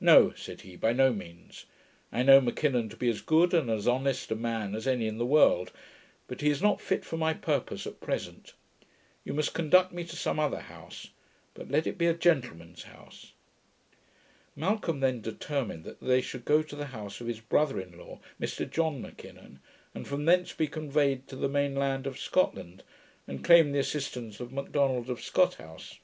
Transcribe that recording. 'No,' said he, 'by no means. I know M'Kinnon to be as good and as honest a man as any in the world, but he is not fit for my purpose at present. You must conduct me to some other house; but let it be a gentleman's house.' Malcolm then determined that they should go to the house of his brother in law, Mr John M'Kinnon, and from thence be conveyed to the main land of Scotland, and claim the assistance of Macdonald of Scothouse.